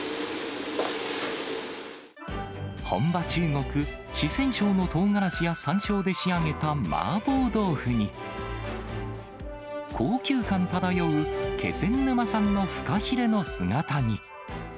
本場、中国・四川省のとうがらしやさんしょうで仕上げた麻婆豆腐に、高級感漂う気仙沼産のフカヒレの姿煮。